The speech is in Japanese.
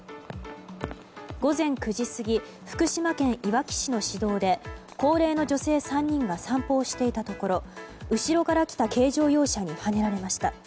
午前９時過ぎ福島県いわき市の市道で高齢の女性３人が散歩をしていたところ後ろから来た軽乗用車にはねられました。